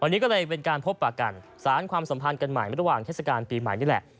อันนี้ก็เลยเป็นการพบปากกันสารความสัมพันธ์กันใหม่ระหว่างเทศกาลปีใหม่นี่แหละ